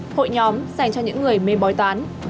hội nhóm dành cho những người mê bói toán